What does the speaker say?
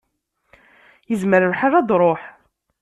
Izmer lḥal ad d-tṛuḥ.